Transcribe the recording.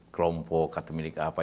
kelompok atau milik apa